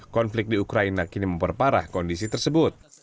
konflik di ukraina kini memperparah kondisi tersebut